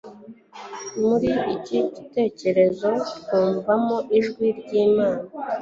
Muri iki gitekerezo twumvamo ijwi ryImana